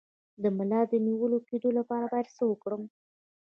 د ملا د نیول کیدو لپاره باید څه وکړم؟